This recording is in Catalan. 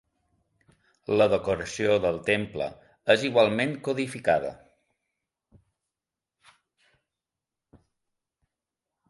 La decoració del temple és igualment codificada.